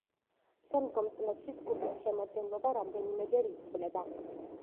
შემდგომ წლებში ჯგუფის შემადგენლობა რამდენიმეჯერ იცვლება.